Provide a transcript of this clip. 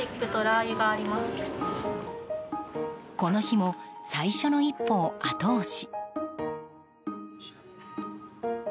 この日も最初の一歩を後押し。